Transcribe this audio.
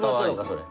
それ。